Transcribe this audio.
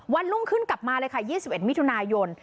วันรุ่งขึ้นกลับมาเลยค่ะ๒๑มิถุนายน